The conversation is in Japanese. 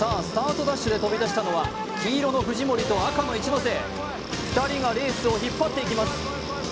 スタートダッシュで飛び出したのは黄色の藤森と赤の一ノ瀬２人がレースを引っ張っていきます